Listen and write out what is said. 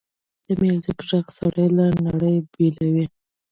د میوزیک ږغ سړی له نړۍ بېلوي.